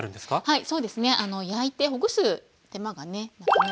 はい。